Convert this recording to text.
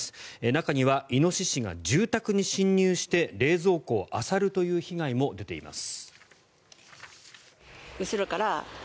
中にはイノシシが住宅に侵入して冷蔵庫をあさるという被害も出ています。